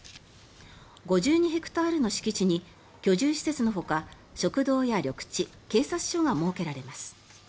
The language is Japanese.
５２ヘクタールの敷地に居住施設のほか食堂や緑地、警察署が設けられます。